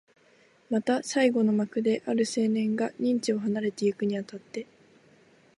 また最後の幕で、ある青年が任地を離れてゆくに当たって、